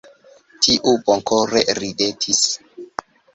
Tiu bonkore ridetis.